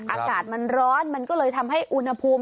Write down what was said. อากาศมันร้อนมันก็เลยทำให้อุณหภูมิ